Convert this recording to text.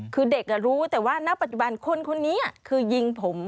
คือเด็กรู้แต่ว่าณปัจจุบันคนนี้คือยิงผม